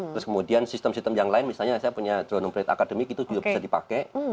terus kemudian sistem sistem yang lain misalnya saya punya droneum plate academic itu juga bisa dipakai